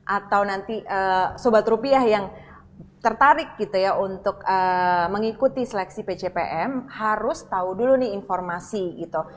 atau nanti sobat rupiah yang tertarik gitu ya untuk mengikuti seleksi pcpm harus tahu dulu nih informasi gitu